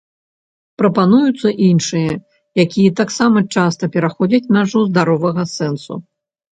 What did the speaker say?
Прапануюцца іншыя, якія таксама часта пераходзяць мяжу здаровага сэнсу.